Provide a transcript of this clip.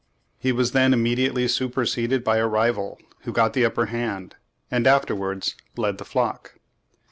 He was then immediately superseded by a rival, who got the upper hand and afterwards led the flock.